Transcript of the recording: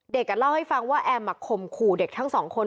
เด็กกลับเล่าให้ฟังว่าแอมผมโขมขู่เด็กทั้งสองคน